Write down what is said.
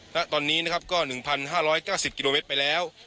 ณตอนนี้นะครับก็๑๕๙๐กิโลเมตรไปแล้ว